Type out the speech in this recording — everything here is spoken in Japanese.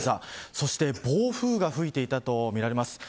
そして暴風が吹いていたとみられます。